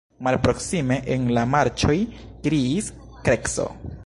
Malproksime en la marĉoj kriis krekso.